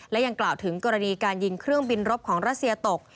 และยังกล่าวถึงกรณีการยิงเครื่องบินรบของรัสเซียตก